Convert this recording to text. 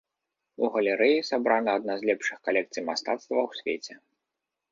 У галерэі сабрана адна з лепшых калекцый мастацтва ў свеце.